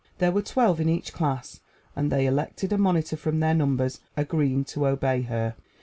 There were twelve in each class, and they elected a monitor from their numbers, agreeing to obey her.